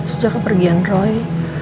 sejak kepergian roy